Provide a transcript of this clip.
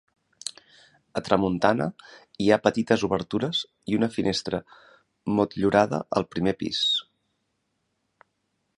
A tramuntana hi ha petites obertures i una finestra motllurada al primer pis.